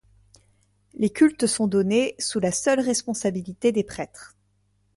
Les cultes sont donnés sous la seule responsabilité des prêtres.